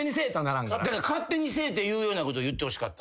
「勝手にせえ！」って言うようなこと言ってほしかった。